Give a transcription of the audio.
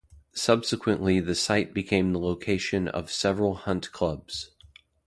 Subsequently the site became the location of several hunt clubs.